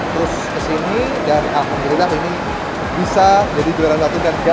terus kesini dan alhamdulillah ini bisa jadi juara satu dan tiga